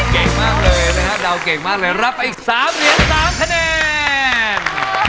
เก่งมากเลยนะครับเดาเก่งมากเลยรับไปอีก๓เหรียญ๓คะแนน